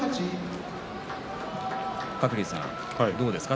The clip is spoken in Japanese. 鶴竜さん、どうですか？